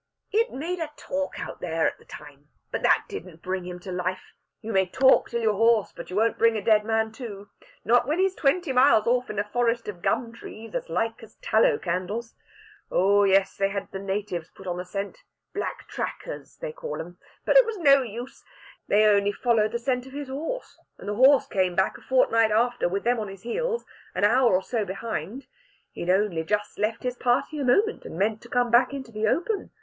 "It made a talk out there at the time. But that didn't bring him to life. You may talk till you're hoarse, but you won't bring a dead man to not when he's twenty miles off in a forest of gum trees, as like as tallow candles.... Oh yes, they had the natives put on the scent black trackers, they call 'em but, Lard! it was all no use. They only followed the scent of his horse, and the horse came back a fortnight after with them on his heels, an hour or so behind.... He'd only just left his party a moment, and meant to come back into the open.